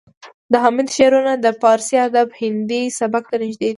د حمید شعرونه د پارسي ادب هندي سبک ته نږدې دي